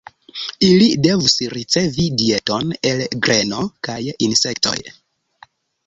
Ili devus ricevi dieton el greno kaj insektoj.